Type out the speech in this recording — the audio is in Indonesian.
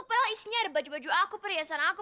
padahal isinya ada baju baju aku perhiasan aku